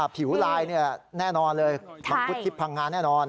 ผิวลายแน่นอนเลยมังคุดทิพย์พังงาแน่นอน